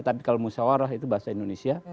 tapi kalau musyawarah itu bahasa indonesia